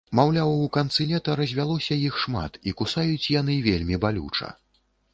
Маўляў, у канцы лета развялося іх шмат і кусаюць яны вельмі балюча.